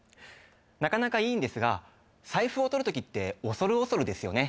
なかなかいいんですが財布をとる時って恐る恐るですよね